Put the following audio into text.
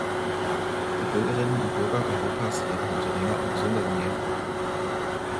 Die Bürgerinnen und Bürger Europas leben heute länger und gesünder denn je.